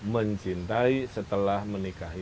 mencintai setelah menikahi